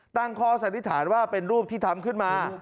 ตั้งข้อสันนิษฐานว่าเป็นรูปที่ทำขึ้นมา